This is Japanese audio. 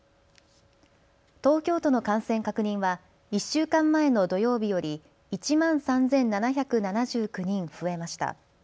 東京都の感染確認は１週間前の土曜日より１万３７７９人増えました。